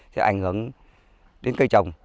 sẽ ảnh hưởng đến cây trồng